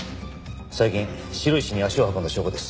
最近白石に足を運んだ証拠です。